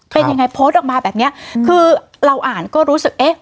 เป็นยังไงโพสต์ออกมาแบบเนี้ยคือเราอ่านก็รู้สึกเอ๊ะ